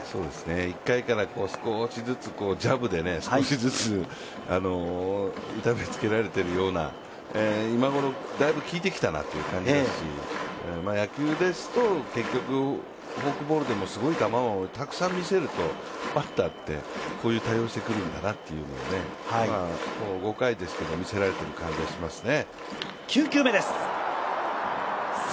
１回から少しずつジャブで痛めつけられているような今ごろ、だいぶ効いてきたなという感じですし、野球ですと、結局、フォークボールでもすごい球をたくさん見せるとバッターって、こういう対応をしてくるんだなというのを５回ですけど、見せられている感じがしますね。